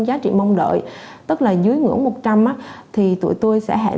giá trị mong đợi tức là dưới ngưỡng một trăm linh thì tụi tôi sẽ hẹn